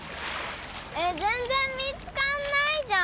えっぜんぜん見つかんないじゃん